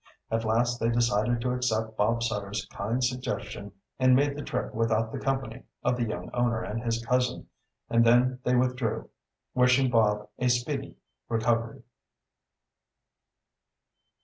At last they decided to accept Bob Sutter's kind suggestion and make the trip without the company of the young owner and his cousin; and then they withdrew, wishing Bob a speedy recovery.